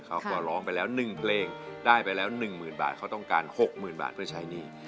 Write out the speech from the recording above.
เขาก็ร้องไปแล้วหนึ่งเพลงได้ไปแล้วหนึ่งหมื่นบาทเขาต้องการหกหมื่นบาทเพื่อใช้หนี้